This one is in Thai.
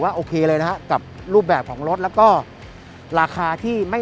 โอเคเลยนะฮะกับรูปแบบของรถแล้วก็ราคาที่ไม่